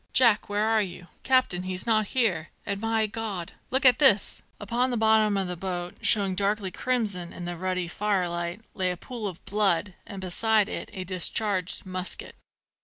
"Jack, where are you? Captain, he's not here! and my God! look at this!" Upon the bottom of the boat, showing darkly crimson in the ruddy firelight, lay a pool of blood, and beside it a discharged musket.